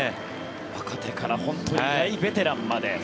若手から本当に大ベテランまで。